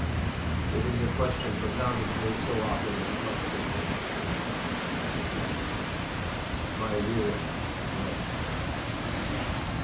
"It is a question propounded to me so often that it must contain the truth," said he. "My rearing is to blame for that."